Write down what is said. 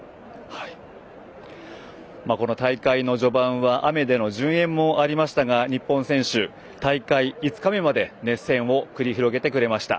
この大会の序盤は雨での順延もありましたが日本選手、大会５日目まで熱戦を繰り広げてくれました。